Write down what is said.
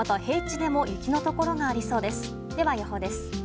では予報です。